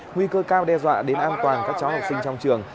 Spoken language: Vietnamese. nguy cơ cao đe dọa đến an toàn các cháu học sinh trong trường